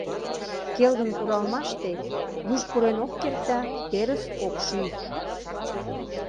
Келгын куралмаште юж пурен ок керт да терыс ок шӱй.